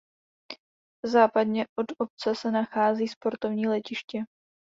Západně od obce se nachází sportovní letiště.